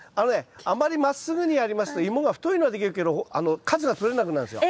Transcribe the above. あまりまっすぐにやりますとイモが太いのはできるけど数がとれなくなるんですよ。